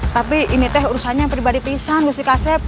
tapi ini teh urusannya pribadi pisan gusti kasep